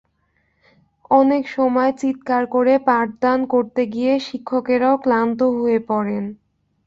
অনেক সময় চিত্কার করে পাঠদান করতে গিয়ে শিক্ষকেরাও ক্লান্ত হয়ে পড়েন।